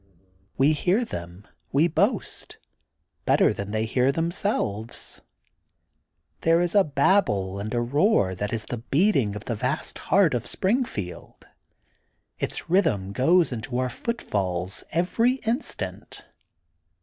We hear them, we boast, better than they hear themselves. There is a babble and a roar that is the beating of the vast heart of Springfield. Its rhythm goes into our foot falls every instant.